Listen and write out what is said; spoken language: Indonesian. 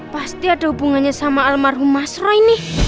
pasti ada hubungannya sama almarhum mas roy nih